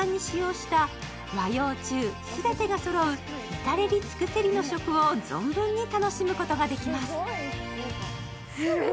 北海道の旬の食材をふんだんに使用した和洋中全てがそろう至れり尽くせりの食を存分に楽しむことができます。